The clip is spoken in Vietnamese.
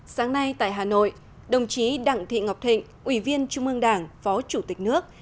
sáng nay tại hà nội đồng chí đặng thị ngọc thịnh ủy viên trung ương đảng phó chủ tịch nước